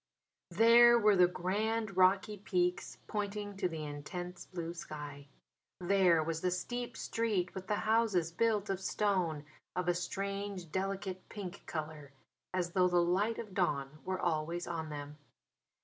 There were the grand rocky peaks pointing to the intense blue sky. There was the steep street with the houses built of stone of a strange, delicate pink colour, as though the light of dawn were always on them.